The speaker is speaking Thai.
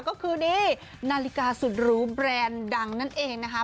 ก็คือนี่นาฬิกาสุดหรูแบรนด์ดังนั่นเองนะคะ